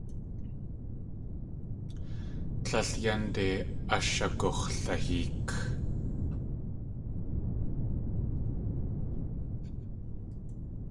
Tlél yánde ashagux̲laheek.